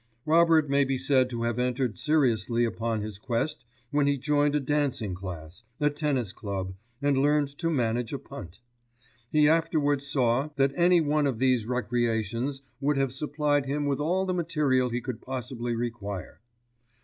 Robert may be said to have entered seriously upon his quest when he joined a dancing class, a tennis club and learned to manage a punt. He afterwards saw that any one of these recreations would have supplied him with all the material he could possibly require.